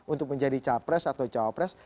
untuk menjadi capres atau cawapres